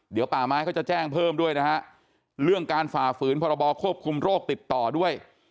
เดี๋ยวป่าไม้เขาจะแจ้งเพิ่มด้วยนะฮะเรื่องการฝ่าฝืนพรบควบคุมโรคติดต่อด้วย